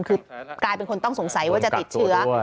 คือกลายเป็นคนต้องสงสัยว่าจะติดเชื้อ